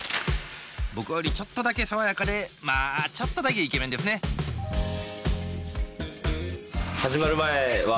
僕よりちょっとだけ爽やかでまあちょっとだけイケメンですね始まる前は